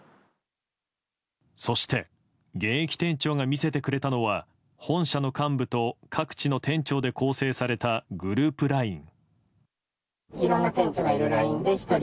そして、現役店長が見せてくれたのは本社の幹部と各地の店長で構成されたグループＬＩＮＥ。